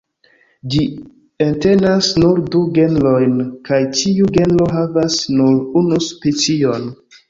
Ĝi entenas nur du genrojn, kaj ĉiu genro havas nur unu specion.